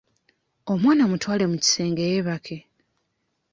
Omwana mutwale mu kisenge yeebake.